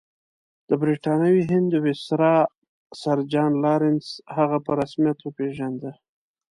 د برټانوي هند ویسرا سر جان لارنس هغه په رسمیت وپېژانده.